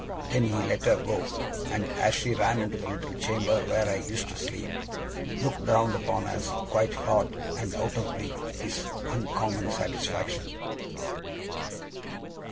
Then he let her go; and as she ran into the little chamber where I used to sleep, looked round upon us, quite hot and out of breath with his uncommon satisfaction.